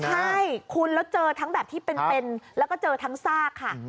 ใช่คุณแล้วเจอทั้งแบบที่เป็นแล้วก็เจอทั้งซากค่ะ